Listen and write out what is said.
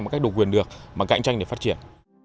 một cách độc quyền được mà cạnh tranh để phát triển